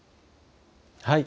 はい。